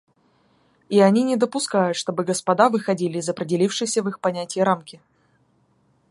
И они не допускают, чтобы господа выходили из определившейся в их понятии рамки.